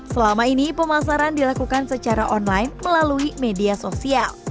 selama ini pemasaran dilakukan secara online melalui media sosial